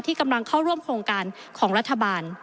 กำลังเข้าร่วมโครงการของรัฐบาล